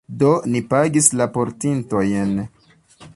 Do, ni pagis la portintojn.